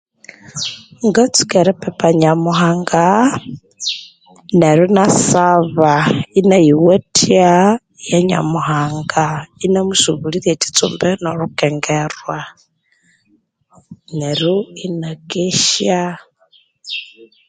Ukatsuka eripipa Nyamuhanga neryu inasaba inayiwathya iya Nyamuhanga inamusubulirya ikitsumbi nolhukengerwa neryo inakesya